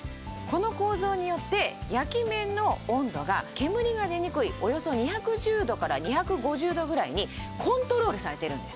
この構造によって焼き面の温度が煙が出にくいおよそ２１０度から２５０度ぐらいにコントロールされてるんです。